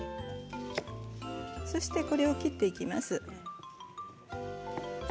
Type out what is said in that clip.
そして、これを切っていきます。